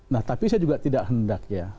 nah tapi saya juga tidak hendak ya